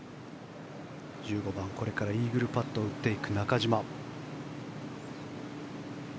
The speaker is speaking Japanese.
１５番、これからイーグルパットを打つ中島。